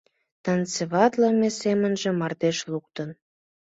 Танцеватлыме семжым мардеж луктын.